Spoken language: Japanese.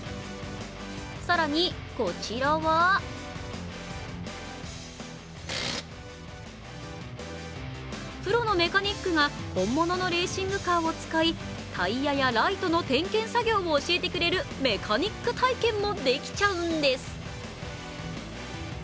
更にこちらはプロのメカニックが本物のレーシングカーを使い、タイヤやライトの点検作業を教えてくれるメカニック体験もできちゃうんです。